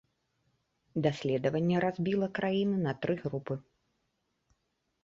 Даследаванне разбіла краіны на тры групы.